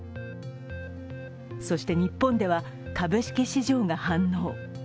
そして、日本では株式市場が反応。